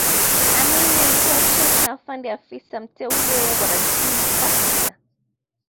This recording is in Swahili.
Amin alipewa cheo cha Afande Afisa Mteule warrant officer